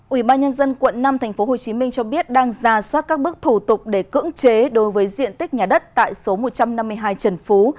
ủy ban nhân dân quận năm tp hcm cho biết đang ra soát các bước thủ tục để cưỡng chế đối với diện tích nhà đất tại số một trăm năm mươi hai trần phú